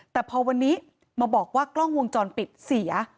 แต่พอวันนี้มาบอกว่ากล้องวงจรปิดเสีย